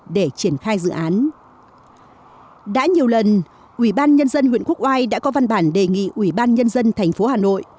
đã nhiều lần ủy ban nhân dân huyện quốc oai đã có văn bản đề nghị ủy ban nhân dân thành phố hà nội